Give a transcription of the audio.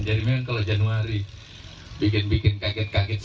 jadi memang kalau januari bikin bikin kaget kaget